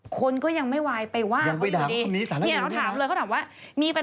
คนก็ยังไม่ไหวไปว่าเขาอยู่ดีเนี่ยเขาถามเลยเขาถามว่ายังไปด่าเขาตรงนี้สารเลว